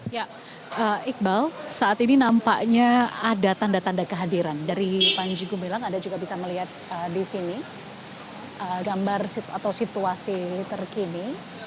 ya iqbal saat ini nampaknya ada tanda tanda kehadiran dari panji gumilang anda juga bisa melihat di sini gambar atau situasi terkini